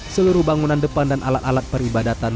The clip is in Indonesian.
seluruh bangunan depan dan alat alat peribadatan